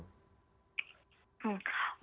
mbak ika terlebih dahulu